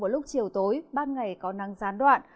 lúc chiều tối ban ngày có nắng gián đoạn